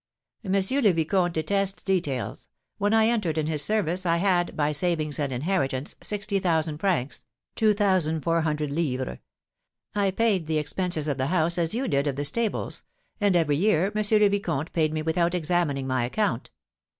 "M. le Vicomte detests details. When I entered in his service I had, by savings and inheritance, sixty thousand francs (2,400_l._). I paid the expenses of the house as you did of the stables; and every year M. le Vicomte paid me without examining my account.